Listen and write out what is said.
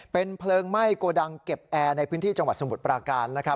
เป็นเพลิงไหม้โกดังเก็บแอร์ในพื้นที่จังหวัดสมุทรปราการนะครับ